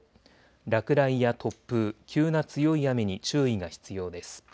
落雷や突風、急な強い雨に注意が必要です。